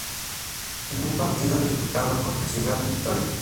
En un partido disputado contra Ciudad Victoria.